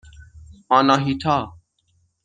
آناهیتا